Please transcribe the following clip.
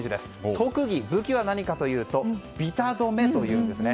特に武器は何かというとビタ止めというんですね。